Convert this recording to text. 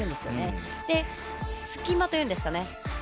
それで、隙間というんですかね。